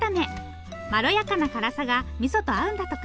まろやかな辛さがみそと合うんだとか。